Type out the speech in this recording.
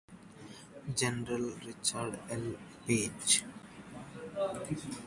General Richard L. Page.